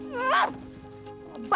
dari aku nggak bisa